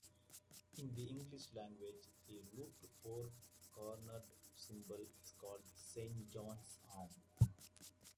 In the English language the looped four-cornered symbol is called Saint John's Arms.